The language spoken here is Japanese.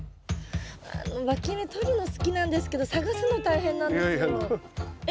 わき芽取るの好きなんですけど探すの大変なんですよ。え？